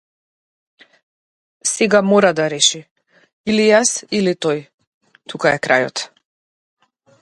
Сега мора да реши или јас или тој тука е крајот.